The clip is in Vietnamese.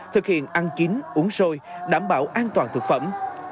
thực hiện ăn chín uống sôi đảm bảo an toàn thực phẩm